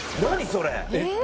それ。